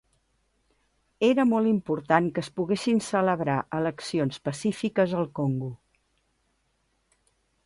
Era molt important que es poguessin celebrar eleccions pacífiques al Congo.